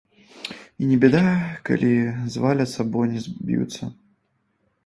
І не бяда, калі зваляцца, бо не заб'юцца.